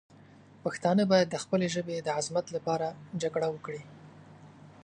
پښتانه باید د خپلې ژبې د عظمت لپاره جګړه وکړي.